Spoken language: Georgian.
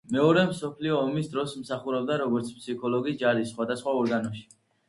მეორე მსოფლიო ომის დროს, მსახურობდა როგორც ფსიქოლოგი, ჯარის სხვადასხვა ორგანოში.